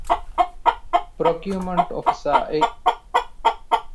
ޕްރޮކިއުމަންޓް އޮފިސަރ އެއް